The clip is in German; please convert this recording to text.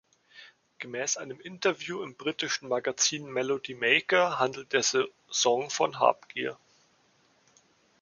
Gemäß einem Interview im britischen Magazin Melody Maker handelt der Song von Habgier.